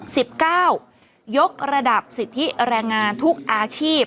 สิบเก้ายกระดับสิทธิแรงงานทุกอาชีพ